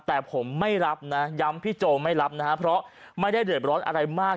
แต่ผมไม่รับนะย้ำพี่โจไม่รับนะฮะเพราะไม่ได้เดือดร้อนอะไรมาก